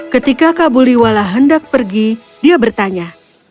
ketika kabuliwala hendak pergi dia bertanya